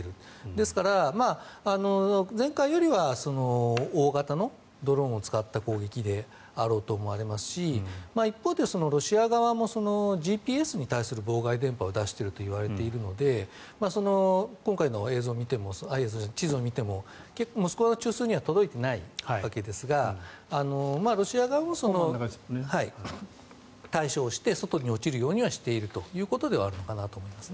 ですから、前回よりは大型のドローンを使った攻撃であろうと思われますし一方でロシア側もＧＰＳに対する妨害電波を出しているといわれているので今回の地図を見てもモスクワの中枢には届いてないわけですがロシア側も対処をして外に落ちるようにはしているということではあるのかなと思います。